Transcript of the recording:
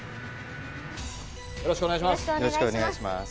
よろしくお願いします。